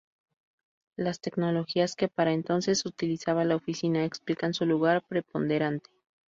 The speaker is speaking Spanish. Las tecnologías que para entonces utilizaba la Oficina explican su lugar preponderante.